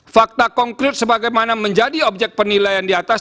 fakta konkret sebagaimana menjadi objek penilaian diatas